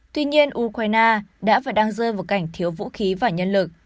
tuy nhiên ukraine đã và đang rơi vào cảnh thiếu vũ khí và nhân lực